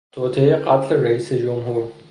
توطئهی قتل رییس جمهور